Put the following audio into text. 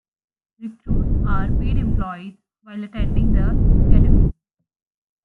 Recruits are paid employees while attending the academy.